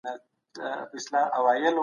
هیڅوک باید په رایه کي فشار ونه ویني.